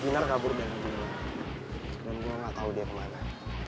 kinar kabur dari rumah ma dan gue gak tau dia kemana